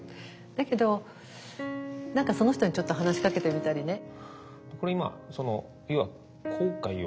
だけど何かその人にちょっと話しかけてみたりね。